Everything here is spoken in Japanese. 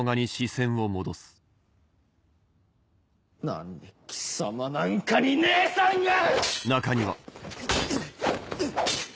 何で貴様なんかに姉さんが！